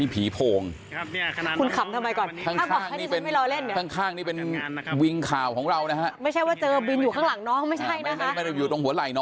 เพิ่งเห็นครั้งแรกก็เจอ